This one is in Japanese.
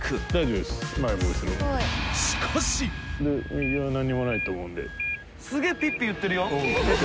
右は何もないと思うんでピッピッピ］